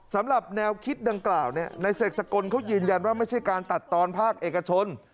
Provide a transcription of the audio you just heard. สำหรับแนวคิดดังกล่าวในเสกสกลเขายืนยันว่าไม่ใช่การตัดตอนภาคเอกชน